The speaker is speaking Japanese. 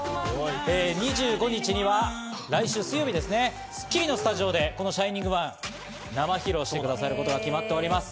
２５日には来週水曜日『スッキリ』のスタジオで『ＳｈｉｎｉｎｇＯｎｅ』を生披露してくださることが決まっています。